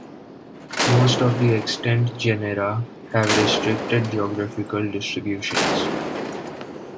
Most of the extant genera have restricted geographical distributions.